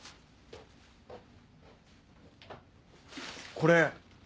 これ。